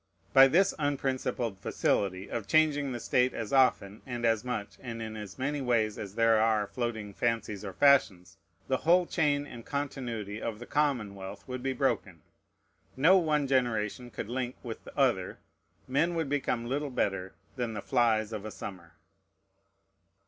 By this unprincipled facility of changing the state as often and as much and in as many ways as there are floating fancies or fashions, the whole chain and continuity of the commonwealth would be broken; no one generation could link with the other; men would become little better than the flies of a summer.